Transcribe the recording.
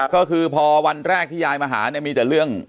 ก็คือพอวันแรกที่ยายมาหาเนี่ยมีแต่เรื่อง